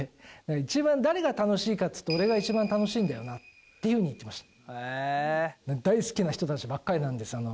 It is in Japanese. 一番誰が楽しいかっていうと俺が一番楽しいんだよなっていうふうに言ってました。